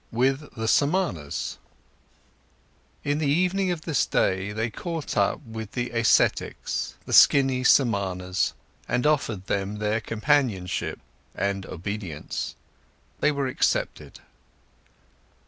WITH THE SAMANAS In the evening of this day they caught up with the ascetics, the skinny Samanas, and offered them their companionship and—obedience. They were accepted.